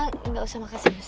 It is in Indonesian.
ah gak usah makasih mas